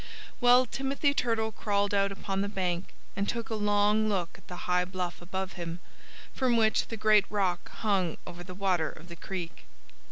Well, Timothy Turtle crawled out upon the bank and took a long look at the high bluff above him, from which the great rock hung over the water of the creek.